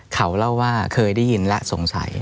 เขาเล่าว่าเคยได้ยินและสงสัย